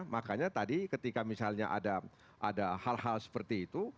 makanya tadi ketika misalnya ada hal hal seperti itu